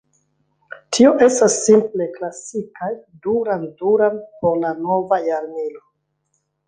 Tio estas simple "klasikaj Duran Duran por la nova jarmilo".